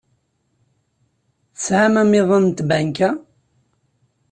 Tesɛam amiḍan n tbanka?